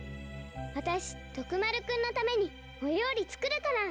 わたしとくまるくんのためにおりょうりつくるから。